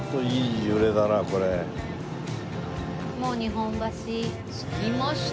もう日本橋着きました。